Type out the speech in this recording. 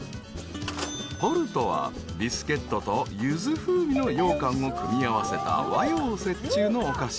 ［ぽるとはビスケットとゆず風味のようかんを組み合わせた和洋折衷のお菓子］